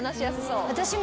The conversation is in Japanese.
私も。